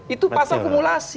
itu pasal kumulasi